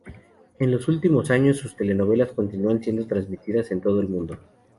En los últimos años, sus telenovelas continúan siendo transmitidas en todo el mundo.